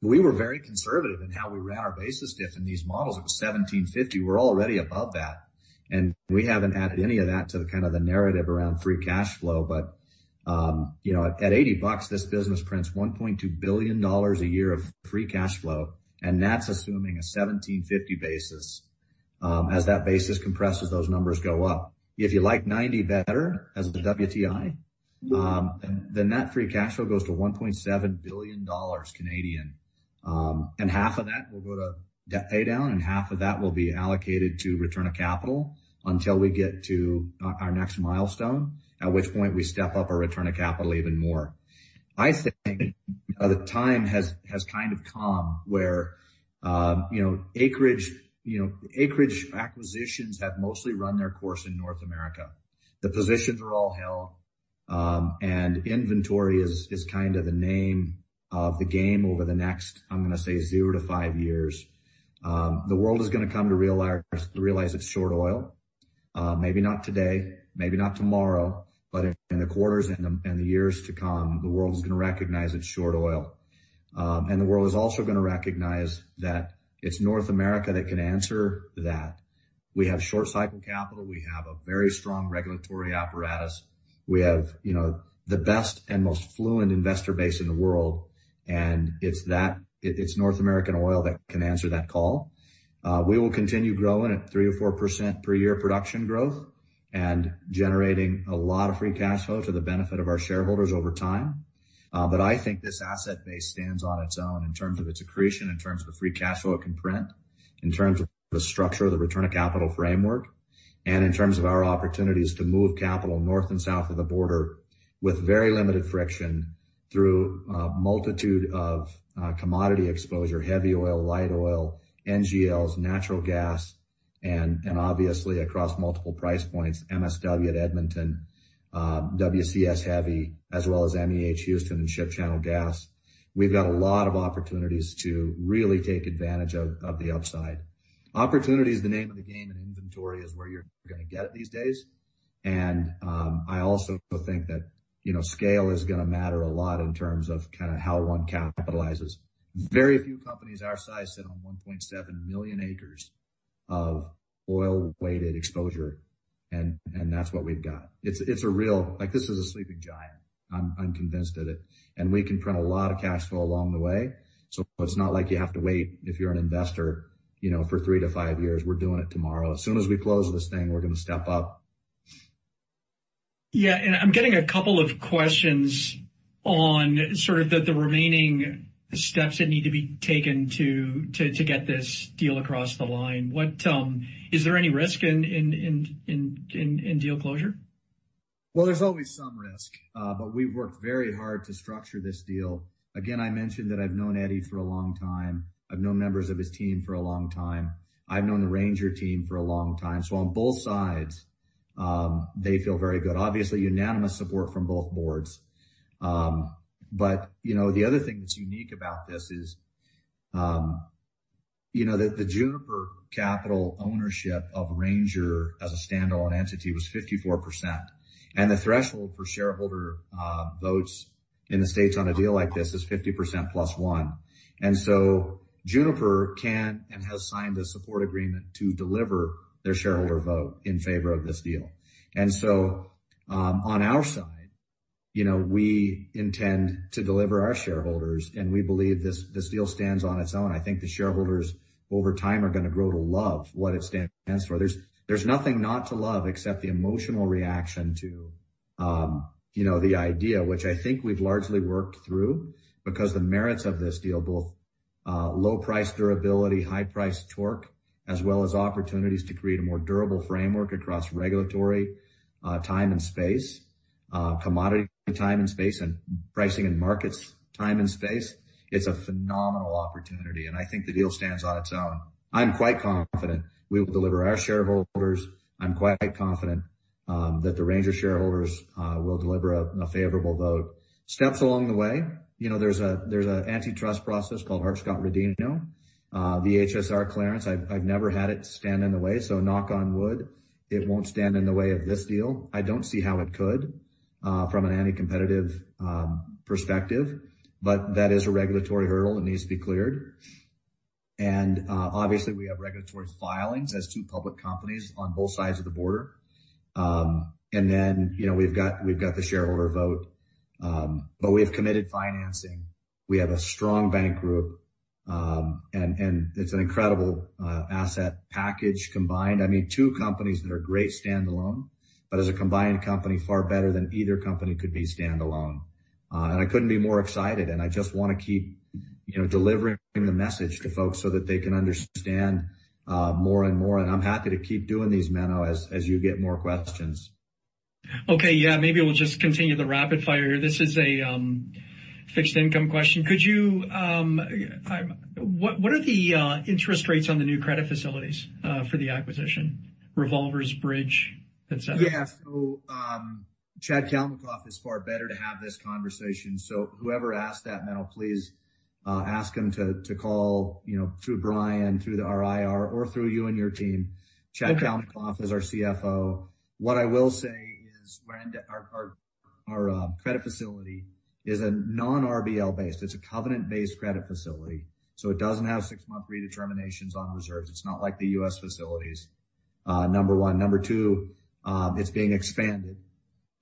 we were very conservative in how we ran our basis diff in these models. It was 17.50. We're already above that, and we haven't added any of that to the kind of the narrative around free cash flow. At $80, this business prints $1.2 billion a year of free cash flow, and that's assuming a 1750 basis. As that basis compresses, those numbers go up. If you like $90 better as the WTI, then that free cash flow goes to 1.7 billion Canadian dollars. And half of that will go to pay down, and half of that will be allocated to return of capital until we get to our next milestone, at which point we step up our return of capital even more. I think the time has kind of come where, you know, acreage, you know, acreage acquisitions have mostly run their course in North America. The positions are all held, and inventory is kind of the name of the game over the next, I'm gonna say, zero to five years. The world is gonna come to realize it's short oil. Maybe not today, maybe not tomorrow, but in the quarters and the years to come, the world is gonna recognize it's short oil. The world is also gonna recognize that it's North America that can answer that. We have short cycle capital. We have a very strong regulatory apparatus. We have, you know, the best and most fluent investor base in the world, it's North American oil that can answer that call. We will continue growing at 3% or 4% per year production growth and generating a lot of free cash flow to the benefit of our shareholders over time. I think this asset base stands on its own in terms of its accretion, in terms of the free cash flow it can print, in terms of the structure of the return of capital framework, and in terms of our opportunities to move capital north and south of the border with very limited friction through a multitude of commodity exposure, heavy oil, light oil, NGLs, natural gas, and obviously across multiple price points, MSW at Edmonton, WCS heavy, as well as MEH Houston and Ship Channel Gas. We've got a lot of opportunities to really take advantage of the upside. Opportunity is the name of the game, inventory is where you're gonna get it these days. I also think that, you know, scale is gonna matter a lot in terms of kinda how one capitalizes. Very few companies our size sit on 1.7 million acres of oil-weighted exposure, and that's what we've got. It's a real, like, this is a sleeping giant. I'm convinced of it. We can print a lot of cash flow along the way, so it's not like you have to wait if you're an investor, you know, for three to five years. We're doing it tomorrow. As soon as we close this thing, we're gonna step up.
Yeah. I'm getting a couple of questions on sort of the remaining steps that need to be taken to get this deal across the line. Is there any risk in deal closure?
Well, there's always some risk. We've worked very hard to structure this deal. Again, I mentioned that I've known Eddie for a long time. I've known members of his team for a long time. I've known the Ranger team for a long time. On both sides, they feel very good. Obviously, unanimous support from both boards. You know, the other thing that's unique about this is, you know, the Juniper Capital ownership of Ranger as a standalone entity was 54%, and the threshold for shareholder votes in the States on a deal like this is 50% + 1%. Juniper can and has signed a support agreement to deliver their shareholder vote in favor of this deal. On our side, you know, we intend to deliver our shareholders, and we believe this deal stands on its own. I think the shareholders over time are gonna grow to love what it stands for. There's nothing not to love except the emotional reaction to, you know, the idea, which I think we've largely worked through because the merits of this deal both low price durability, high price torque, as well as opportunities to create a more durable framework across regulatory time and space, commodity time and space, and pricing and markets time and space. It's a phenomenal opportunity, and I think the deal stands on its own. I'm quite confident we will deliver our shareholders. I'm quite confident that the Ranger shareholders will deliver a favorable vote. Steps along the way, you know, there's an antitrust process called Hart–Scott–Rodino, the HSR clearance. I've never had it stand in the way, so knock on wood, it won't stand in the way of this deal. I don't see how it could from an anti-competitive perspective, but that is a regulatory hurdle that needs to be cleared. Obviously, we have regulatory filings as two public companies on both sides of the border. You know, we've got the shareholder vote, but we have committed financing. We have a strong bank group, and it's an incredible asset package combined. I mean, two companies that are great standalone, but as a combined company, far better than either company could be standalone. I couldn't be more excited. I just wanna keep, you know, delivering the message to folks so that they can understand more and more. I'm happy to keep doing these, Menno, as you get more questions.
Okay, yeah. Maybe we'll just continue the rapid fire here. This is a fixed income question. Could you, what are the interest rates on the new credit facilities, for the acquisition, revolvers, bridge, et cetera?
Chad Kalmakoff is far better to have this conversation. Whoever asked that, Menno, please ask him to call, you know, through Brian, through the RIR or through you and your team.
Okay.
Chad Kalmakoff is our CFO. What I will say is our credit facility is a non-RBL-based. It's a covenant-based credit facility, so it doesn't have six-month redeterminations on reserves. It's not like the U.S. facilities, number one. Number two, it's being expanded,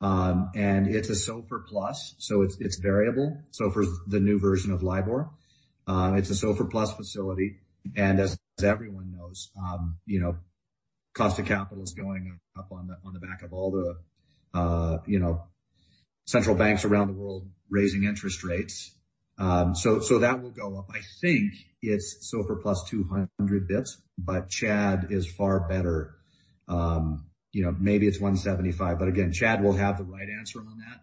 and it's a SOFR Plus, so it's variable. SOFR is the new version of LIBOR. It's a SOFR Plus facility. As everyone knows, you know, cost of capital is going up on the back of all the, you know, central banks around the world raising interest rates. That will go up. I think it's SOFR Plus 200 basis points, but Chad is far better. You know, maybe it's 175. Again, Chad will have the right answer on that.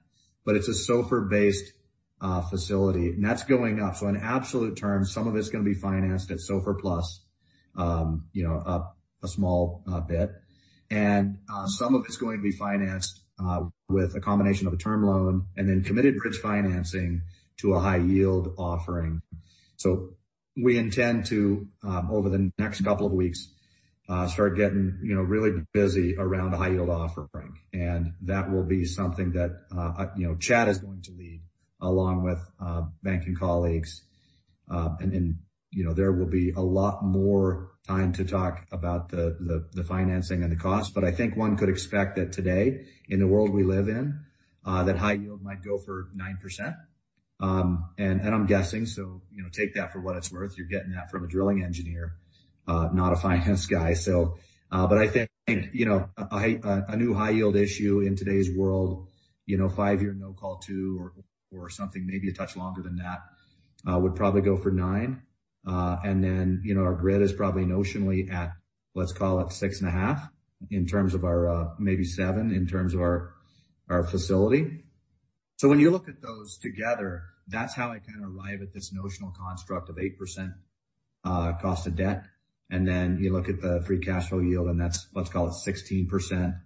It's a SOFR-based facility, and that's going up. In absolute terms, some of it's gonna be financed at SOFR Plus, you know, up a small bit. Some of it's going to be financed with a combination of a term loan and then committed bridge financing to a high-yield offering. We intend to, over the next couple of weeks, start getting, you know, really busy around the high-yield offering. That will be something that, you know, Chad is going to lead along with banking colleagues. You know, there will be a lot more time to talk about the financing and the cost. I think one could expect that today, in the world we live in, that high yield might go for 9%. I'm guessing so, you know, take that for what it's worth. You're getting that from a drilling engineer, not a finance guy. I think, you know, a new high-yield issue in today's world, you know, five-year no call two or something maybe a touch longer than that, would probably go for nine. You know, our grid is probably notionally at, let's call it six and a half in terms of our, maybe seven in terms of our facility. When you look at those together, that's how I kinda arrive at this notional construct of 8% cost of debt. You look at the free cash flow yield, and that's, let's call it 16%,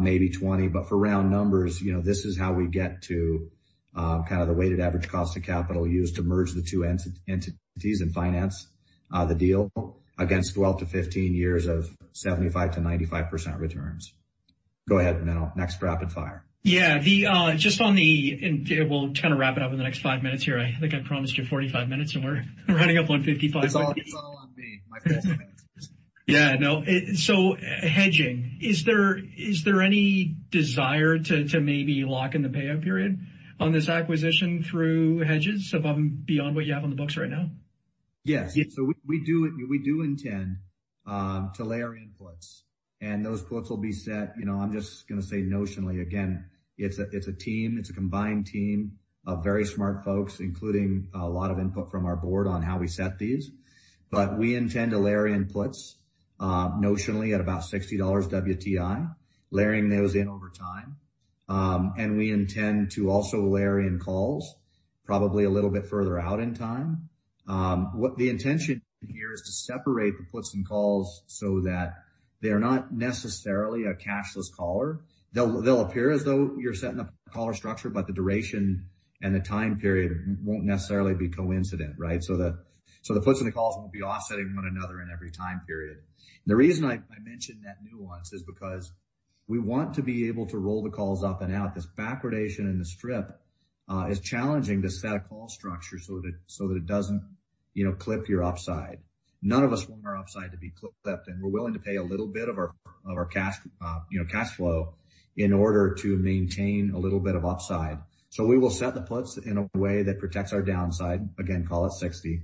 maybe 20%. For round numbers, you know, this is how we get to, kind of the weighted average cost of capital used to merge the two entities and finance, the deal against 12-15 years of 75%-95% returns. Go ahead, Menno. Next rapid fire.
Yeah. The, we'll kinda wrap it up in the next five minutes here. I think I promised you 45 minutes, and we're running up on 55 minutes.
It's all on me, my fault.
Yeah, no. Hedging. Is there, is there any desire to maybe lock in the payout period on this acquisition through hedges beyond what you have on the books right now?
Yes. We do intend to layer in puts, and those puts will be set, you know, I'm just gonna say notionally again. It's a, it's a team, it's a combined team of very smart folks, including a lot of input from our board on how we set these. We intend to layer in puts notionally at about $60 WTI, layering those in over time. We intend to also layer in calls probably a little bit further out in time. The intention here is to separate the puts and calls so that they are not necessarily a cashless caller. They'll appear as though you're setting up a caller structure, but the duration and the time period won't necessarily be coincident, right? The puts and the calls will be offsetting one another in every time period. The reason I mention that nuance is because we want to be able to roll the calls up and out. This backwardation in the strip is challenging to set a call structure so that it doesn't, you know, clip your upside. None of us want our upside to be clipped, we're willing to pay a little bit of our cash, you know, cash flow in order to maintain a little bit of upside. We will set the puts in a way that protects our downside, again, call it 60.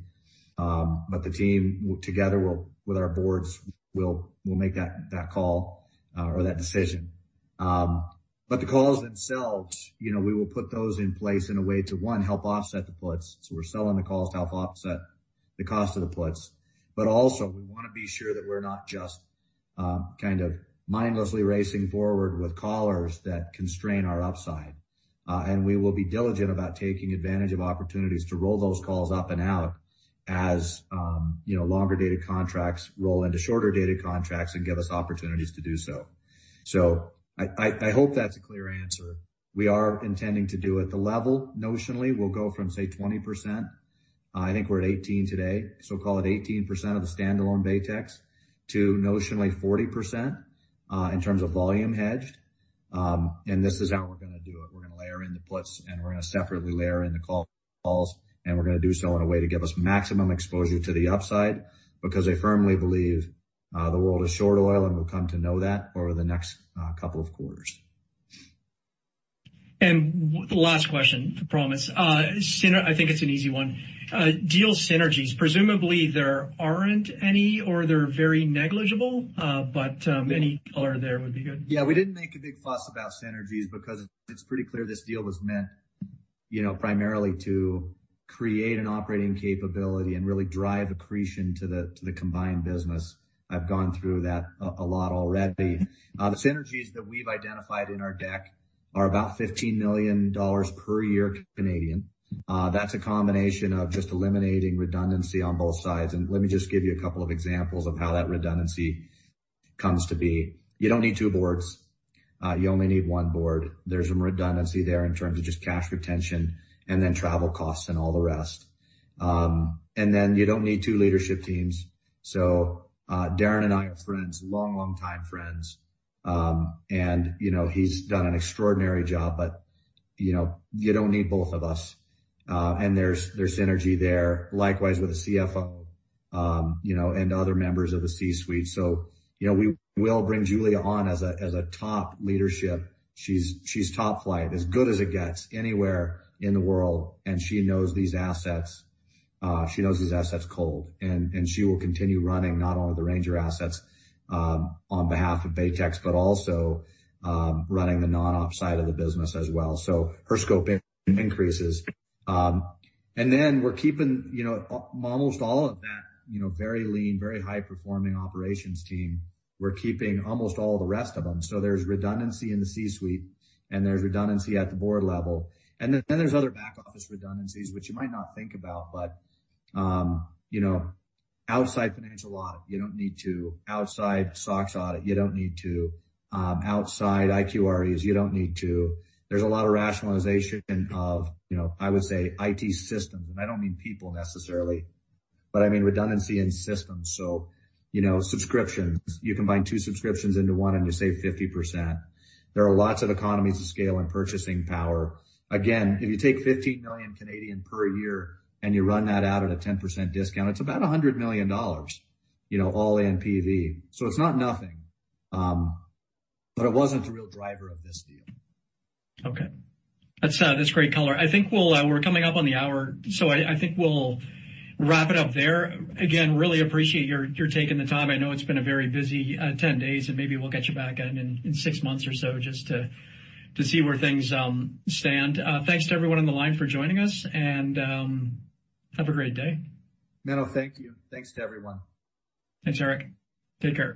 The team together will, with our boards, will make that call or that decision. The calls themselves, you know, we will put those in place in a way to, one, help offset the puts. We're selling the calls to help offset the cost of the puts. We wanna be sure that we're not just kind of mindlessly racing forward with callers that constrain our upside. We will be diligent about taking advantage of opportunities to roll those calls up and out as, you know, longer-dated contracts roll into shorter-dated contracts and give us opportunities to do so. I hope that's a clear answer. We are intending to do it. The level notionally will go from 20%. I think we're at 18% today, 18% of the standalone Baytex to notionally 40% in terms of volume hedged. This is how we're gonna do it. We're gonna layer in the puts. We're gonna separately layer in the calls. We're gonna do so in a way to give us maximum exposure to the upside because I firmly believe, the world is short oil. We'll come to know that over the next couple of quarters.
The last question, I promise. I think it's an easy one. Deal synergies. Presumably, there aren't any or they're very negligible, but any color there would be good.
Yeah, we didn't make a big fuss about synergies because it's pretty clear this deal was meant, you know, primarily to create an operating capability and really drive accretion to the combined business. I've gone through that a lot already. The synergies that we've identified in our deck are about 15 million dollars per year. That's a combination of just eliminating redundancy on both sides. Let me just give you a couple of examples of how that redundancy comes to be. You don't need two boards. You only need one board. There's some redundancy there in terms of just cash retention and then travel costs and all the rest. Then you don't need two leadership teams. Darrin and I are friends, long time friends. You know, he's done an extraordinary job, but, you know, you don't need both of us. There's synergy there. Likewise, with the CFO, you know, and other members of the C-suite. You know, we will bring Julia on as a top leadership. She's top flight, as good as it gets anywhere in the world, and she knows these assets, she knows these assets cold. She will continue running not only the Ranger assets, on behalf of Baytex, but also running the non-op side of the business as well. Her scope increases. Then we're keeping, you know, almost all of that, you know, very lean, very high-performing operations team. We're keeping almost all the rest of them. There's redundancy in the C-suite, and there's redundancy at the board level. Then there's other back-office redundancies, which you might not think about, but, you know, outside financial audit, you don't need to. Outside SOX audit, you don't need to. Outside IQREs, you don't need to. There's a lot of rationalization of, you know, I would say, IT systems, and I don't mean people necessarily, but I mean redundancy in systems. You know, subscriptions. You combine two subscriptions into one, and you save 50%. There are lots of economies of scale and purchasing power. Again, if you take 15 million per year, and you run that out at a 10% discount, it's about $100 million, you know, all in PV. It's not nothing, it wasn't the real driver of this deal.
Okay. That's, that's great color. I think we'll, we're coming up on the hour, I think we'll wrap it up there. Again, really appreciate your taking the time. I know it's been a very busy, 10 days, maybe we'll catch you back in six months or so just to see where things stand. Thanks to everyone on the line for joining us, have a great day.
No, thank you. Thanks to everyone.
Thanks, Eric. Take care.